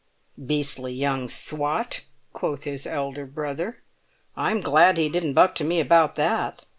"Beastly young swot!" quoth his elder brother. "I'm glad he didn't buck to me about that."